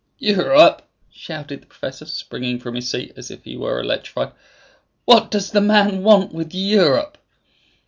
"Europe?" shouted the professor, springing from his seat as if he were electrified; "what does the man want with Europe?"